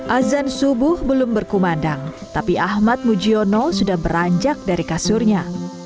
azan subuh belum berkumandang tapi ahmad mujiono sudah beranjak dari kasurnya